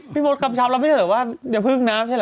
พี่โมชน์กลับเช้าเราไม่ได้เหรอว่าได้พึ่งน้ำใช่เหรอ